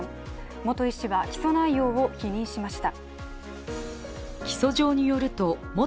元医師は起訴内容を否認しました。